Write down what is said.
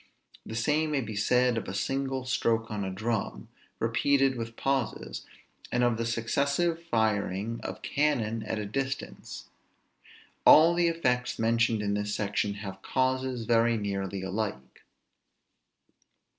The same may be said of a single stroke on a drum, repeated with pauses; and of the successive firing of cannon at a distance. All the effects mentioned in this section have causes very nearly alike.